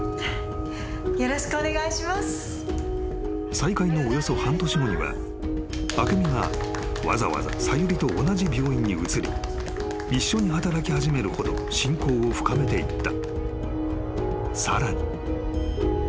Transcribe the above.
［再会のおよそ半年後には明美がわざわざさゆりと同じ病院に移り一緒に働き始めるほど親交を深めていった］